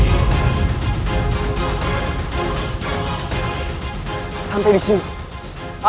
jangan sampai rangga soka mencintai rangga soka